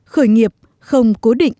khởi nghiệp không cố định